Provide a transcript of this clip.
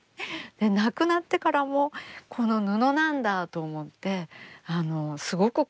亡くなってからもこの布なんだと思ってすごく感動しました。